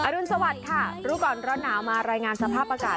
รุนสวัสดิ์ค่ะรู้ก่อนร้อนหนาวมารายงานสภาพอากาศ